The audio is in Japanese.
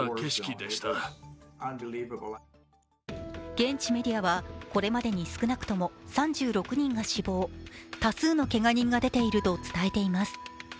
現地メディアはこれまでに少なくとも３６人が死亡、多数のけが人が出ていると伝えています。